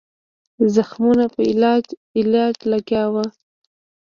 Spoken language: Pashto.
زخمونو په علاج لګیا وو.